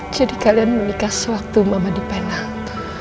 jadi kalian menikah sewaktu mama di penang